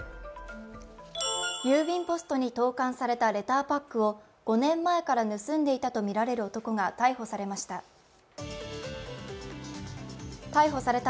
郵便ポストに投函されたレターパックを５年前から盗んでいたとみられる男が逮捕されました。